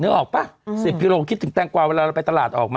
นึกออกปะ๑๐กิโลกรัมคิดถึงเตงกวาเวลาเราไปตลาดออกมั้ย